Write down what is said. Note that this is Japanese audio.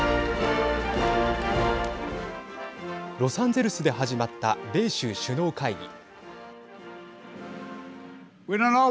ロサンゼルスで始まった米州首脳会議。